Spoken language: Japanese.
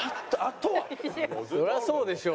そりゃそうでしょう。